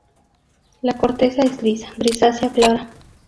La corteza es lisa, grisácea clara.